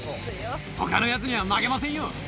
ほかのやつには負けませんよ。